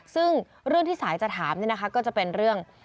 ซึ่งเรื่องที่สายจะถามก็จะเป็นเรื่อง